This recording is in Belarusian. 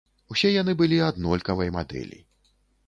Усе яны былі аднолькавай мадэлі.